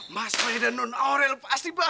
mas redenon aurel pasti bahagia